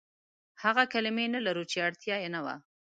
هغه کلمې نه لرو، چې اړتيا يې نه وه.